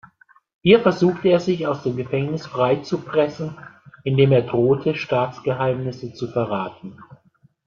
Hier versuchte er sich aus dem Gefängnis freizupressen, indem er drohte, Staatsgeheimnisse zu verraten.